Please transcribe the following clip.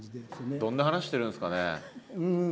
どんな話してるんですかね？